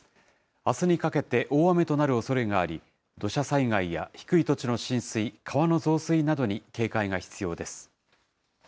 あすにかけて大雨となるおそれがあり、土砂災害や低い土地の浸水、川の増水などに警戒が必要です。